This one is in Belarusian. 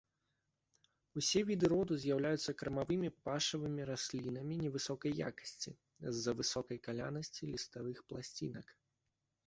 Усе віды роду з'яўляюцца кармавымі пашавымі раслінамі невысокай якасці, з-за высокай калянасці ліставых пласцінак.